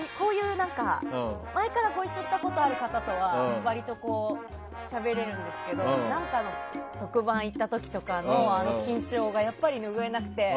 前からご一緒したことのある方とは割としゃべれるんですけど何かの特番に行った時とかのあの緊張がやっぱりぬぐえなくて。